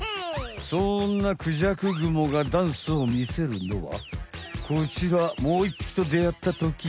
そんなクジャクグモがダンスをみせるのはこちらもう１ぴきとであったとき。